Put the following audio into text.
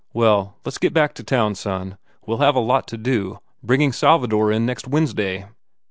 Well, let s get back to town, son. We ll have a lot to do, bringing Salvador in next Wednesday."